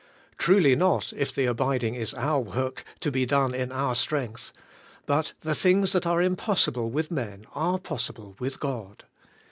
Truly not, if the abiding is our work, to be done in our strength. But the things that are impossible with men are pos EVERY MOMENT, 101 sible with God.